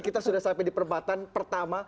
kita sudah sampai di perempatan pertama